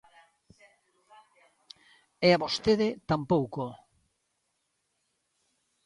E a vostede tampouco.